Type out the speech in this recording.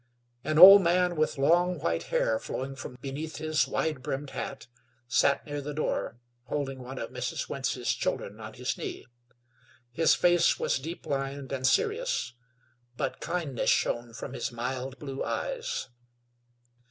An old man with long, white hair flowing from beneath his wide brimmed hat, sat near the door holding one of Mrs. Wentz's children on his knee. His face was deep lined and serious; but kindness shone from his mild blue eyes.